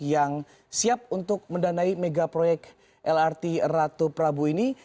yang siap untuk mendanai mega proyek lrt ratu prabu ini